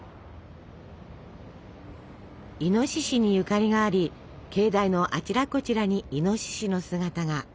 イノシシにゆかりがあり境内のあちらこちらにイノシシの姿が。